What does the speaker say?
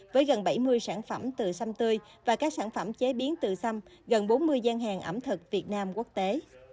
với gần bảy mươi sản phẩm từ sâm tươi và các sản phẩm chế biến từ xăm gần bốn mươi gian hàng ẩm thực việt nam quốc tế